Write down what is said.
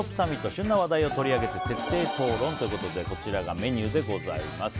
旬な話題を取り上げて徹底討論ということでこちらがメニューでございます。